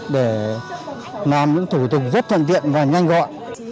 để làm những thủ tục giúp thân viện và nhanh gọi